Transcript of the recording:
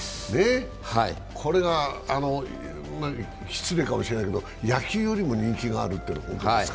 これが失礼かもしれないけど、野球よりも人気があるってことですか？